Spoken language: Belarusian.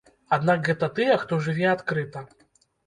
Аднак гэта тыя, хто жыве адкрыта.